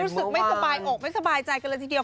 รู้สึกไม่สบายอกไม่สบายใจกันเลยทีเดียว